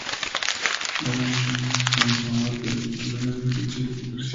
Adam Jones ha confirmado que el título hace referencia a la hipocresía.